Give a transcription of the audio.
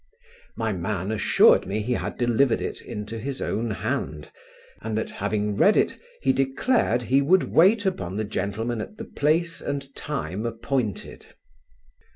My man assured me he had delivered it into his own hand; and, that having read it, he declared he would wait upon the gentleman at the place and time appointed.